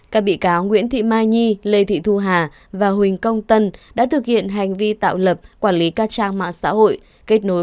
các bị cáo nguyễn thị mai nhi lê thị thu hà và huỳnh công tân đã thực hiện hành vi tạo lập quản lý các trang mạng xã hội